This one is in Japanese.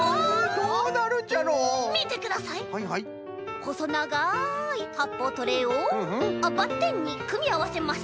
ほそながいはっぽうトレーをバッテンにくみあわせます。